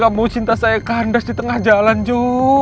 aduh saya nggak tahu dijo